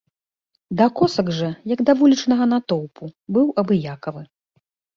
Да косак жа, як да вулічнага натоўпу, быў абыякавы.